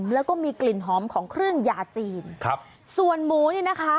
แล้วก็มีกลิ่นหอมของเครื่องยาจีนครับส่วนหมูนี่นะคะ